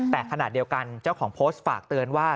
แต่ขณะเดียวกันเจ้าของโพสต์ฝากเตือนว่า